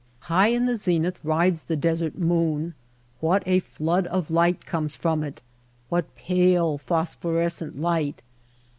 High in the zenith rides the desert moon. What a flood of light comes from it ! What pale, phosphorescent light